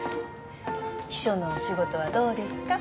秘書のお仕事はどうですか？